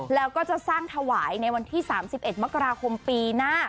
แล้วก็จะสร้างถวายในวันที่๓๑มกราคมปีหน้า